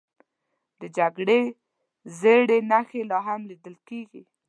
د جګړې زړې نښې لا هم لیدل کېږي.